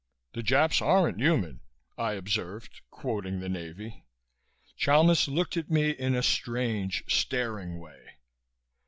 "The Japs aren't human," I observed, quoting the Navy. Chalmis looked at me in a strange, staring way.